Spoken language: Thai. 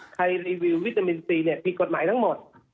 ใครรีวิววิตามินซีนี่มีกฎหมายทั้งหมด